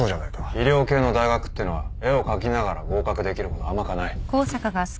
医療系の大学ってのは絵を描きながら合格できるほど甘かない。